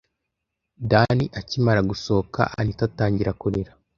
Dan akimara gusohoka, Anita atangira kurira.